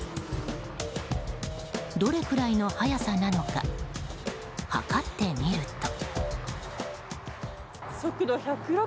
どれくらいの速さなのか測ってみると。